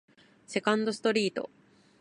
セカンドストリート